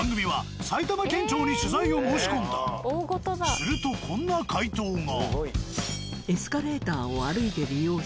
するとこんな回答が。